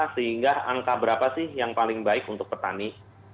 sehingga angka berapa sih yang paling baik untuk petani